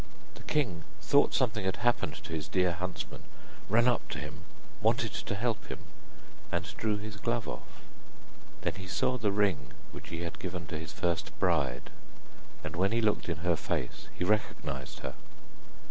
The king thought something had happened to his dear huntsman, ran up to him, wanted to help him, and drew his glove off. Then he saw the ring which he had given to his first bride, and when he looked in her face he recognized her.